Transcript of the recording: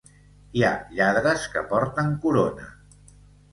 Hi ha lladres que porten corona.